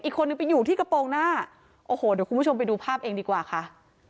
อีกคนนึงไปอยู่ที่กระโปรงหน้าโอ้โหเดี๋ยวคุณผู้ชมไปดูภาพเองดีกว่าค่ะ